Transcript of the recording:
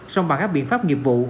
song bằng các biện pháp nghiệp vụ